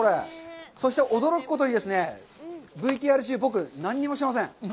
そして、驚くことにＶＴＲ中、僕何にもしていません。